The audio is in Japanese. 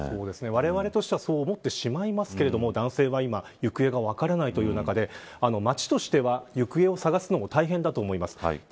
われわれとしてはそう思ってしまいますが男性は今、行方が分からない中で町としては行方を捜すのも大変だと思います。